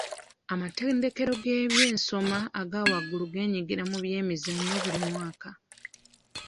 Amatendekero g'ebyensoma aga waggulu geenyigira mu by'emizannyo buli mwaka.